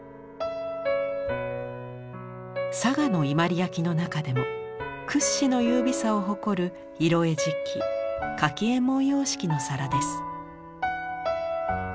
佐賀の伊万里焼の中でも屈指の優美さを誇る色絵磁器柿右衛門様式の皿です。